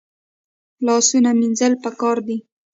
لاسونه لمانځل پکار دي